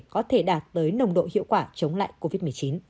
có thể đạt tới nồng độ hiệu quả chống lại covid một mươi chín